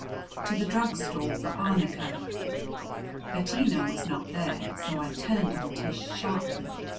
"To the drug store for arnica." Bettina was not there, so I turned on Tish sharply.